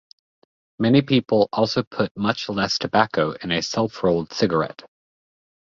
Many people also put much less tobacco in a self-rolled cigarette.